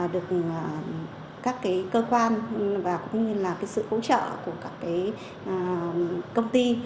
được các cái cơ quan và cũng như là cái sự hỗ trợ của các cái công ty